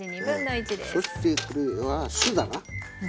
そしてこれは酢だな。